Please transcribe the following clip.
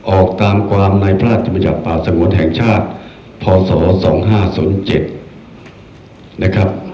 ออกตามความในพระราชบัญญัติป่าสงวนแห่งชาติพศ๒๕๐๗นะครับ